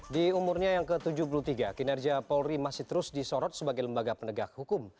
di umurnya yang ke tujuh puluh tiga kinerja polri masih terus disorot sebagai lembaga penegak hukum